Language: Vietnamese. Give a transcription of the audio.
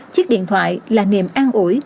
chiếc điện thoại là niềm an ủi